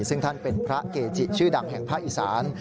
ซึ่งท่านเป็นพระเกจิชื่อดังแห่งภาคอีสาน